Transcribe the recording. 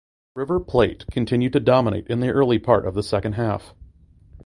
River Plate continued to dominate in the early part of the second half.